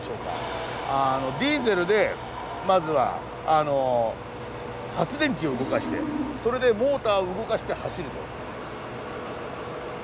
ディーゼルでまずは発電機を動かしてそれでモーターを動かして走ると。